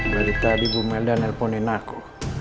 berita di bu melda nelponin aku